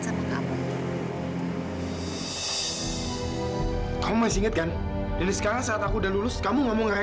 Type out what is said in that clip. sama kamu kamu masih inget kan dan sekarang saat aku udah lulus kamu ngomongin sama aku